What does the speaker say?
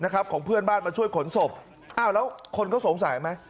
ของเพื่อนบ้านมาช่วยขนศพอ้าวแล้วคนเขาสงสัยไหม